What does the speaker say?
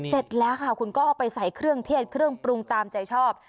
เสร็จแล้วค่ะคุณก็เอาไปใส่เครื่องเทศเครื่องปรุงตามใจชอบ